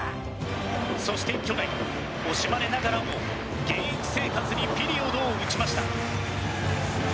そして去年惜しまれながらも現役生活にピリオドを打ちました。